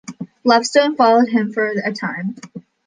Lovestone followed him for a time.